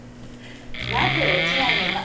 なぜ落ちないのか。